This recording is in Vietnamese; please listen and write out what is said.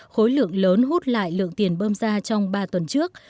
khối lượng lớn hút lại lượng tiền bơm ra trong ba tuần trước